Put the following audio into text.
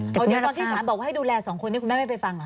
เดี๋ยวตอนที่สารบอกว่าให้ดูแลสองคนนี้คุณแม่ไม่ไปฟังเหรอ